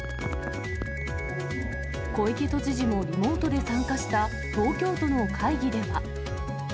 小池都知事もリモートで参加した、東京都の会議では。